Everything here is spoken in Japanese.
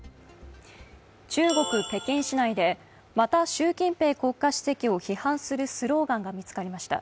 中国・北京市内でまた習近平国家主席を批判するスローガンが見つかりました。